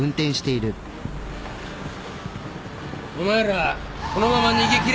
お前らこのまま逃げ切れると。